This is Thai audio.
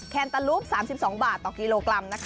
แคนตาลูป๓๒บาทต่อกิโลกรัม